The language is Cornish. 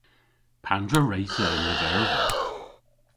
Pandr'a wre'ta y'n lyverva?